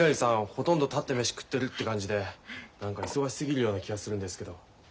ほとんど立って飯食ってるって感じで何か忙しすぎるような気がするんですけど。